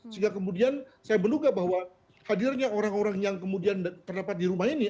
sehingga kemudian saya menduga bahwa hadirnya orang orang yang kemudian terdapat di rumah ini